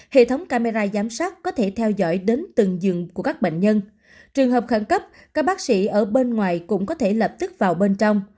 hệ thống camera giám sát có thể theo dõi đến từng giường của các bệnh nhân trường hợp khẩn cấp các bác sĩ ở bên ngoài cũng có thể lập tức vào bên trong